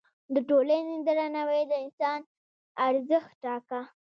د ټولنې درناوی د انسان ارزښت ټاکه.